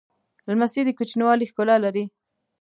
لمسی د کوچنیوالي ښکلا لري.